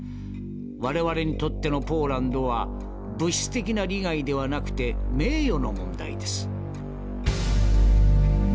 我々にとってのポーランドは物質的な利害ではなくて名誉の問題です」。